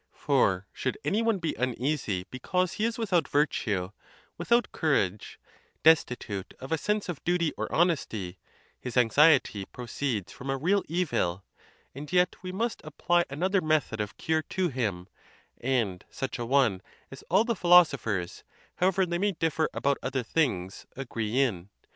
For, should any one be uneasy because he is without virtue, without courage, destitute of a sense of duty or honesty, his anxiety proceeds from a real evil; and yet we must ap ply another method of cure to him, and such a one as all the philosophers, however they may differ about other things, agree in.